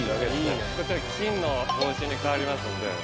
こちら金の帽子にかわりますので。